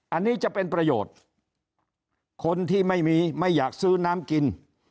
อันนี้จะเป็นประโยชน์คนที่ไม่มีไม่อยากซื้อน้ำกิน